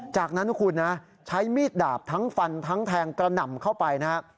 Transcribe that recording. จากนั้นนะคุณนะใช้มีดดาบทั้งฟันทั้งแทงกระหน่ำเข้าไปนะฮะ